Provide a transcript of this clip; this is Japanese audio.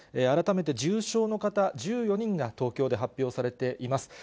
改めて重症の方、１４人が東京で発表されています。